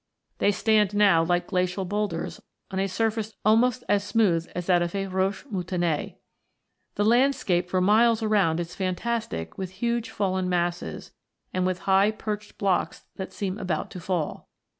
They stand now like glacial boulders on a surface almost as smooth as that of a roche mou tonnee (Fig. 18). The landscape for miles around is fantastic with huge fallen masses, and with high perched blocks that seem about to fall.